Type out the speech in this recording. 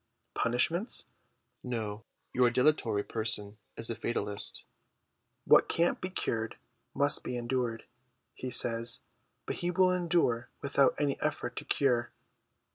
Punishments ? No ; your dilatory person is a fatalist. ' What can't be cured must be endured/ he says, but he will endure without any effort to cure.